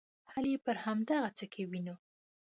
حل یې پر همدغه څه کې وینو.